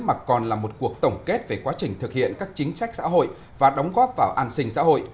mà còn là một cuộc tổng kết về quá trình thực hiện các chính sách xã hội và đóng góp vào an sinh xã hội